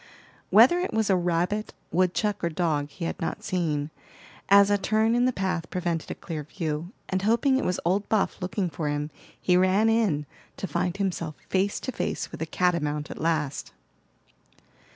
Whether it was a rabbit, woodchuck or dog, he had not seen, as a turn in the path prevented a clear view; and hoping it was old Buff looking for him, he ran in, to find himself face to face with a catamount at last.